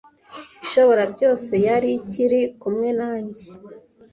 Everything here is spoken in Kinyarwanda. Ishoborabyose yari ikiri kumwe nanjye.